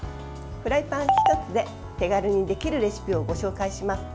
フライパン１つで手軽にできるレシピをご紹介します。